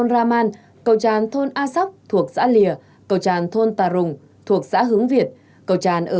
bà man cầu tràn thôn a sóc thuộc xã lìa cầu tràn thôn tà rùng thuộc xã hướng việt cầu tràn ở